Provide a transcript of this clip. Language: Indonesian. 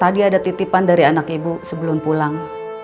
tadi ada titipan dari anak ibu sebelum pulang